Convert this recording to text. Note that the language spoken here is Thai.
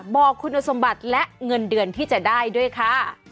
บอกคุณสมบัติและเงินเดือนที่จะได้ด้วยค่ะ